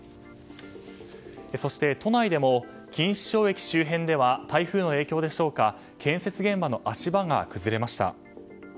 そして都内でも錦糸町駅周辺では台風の影響でしょうか建設現場の足場が崩れました。